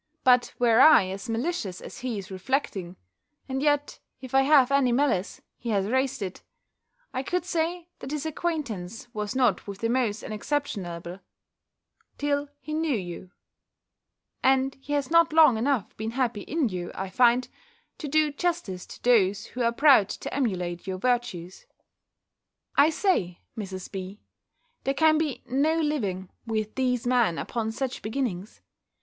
But were I as malicious as he is reflecting (and yet, if I have any malice, he has raised it), I could say, that his acquaintance, was not with the most unexceptionable, till he knew you: and he has not long enough been happy in you, I find, to do justice to those who are proud to emulate your virtues. I say, Mrs. B., there can be no living with these men upon such beginnings.